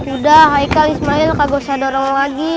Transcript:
udah aikal ismail kagak usah dorong lagi